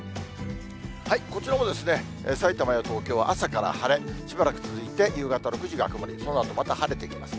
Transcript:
こちらも、さいたまや東京は朝から晴れ、しばらく続いて夕方６時が曇り、そのあとまた晴れてきます。